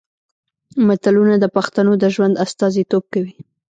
متلونه د پښتنو د ژوند استازیتوب کوي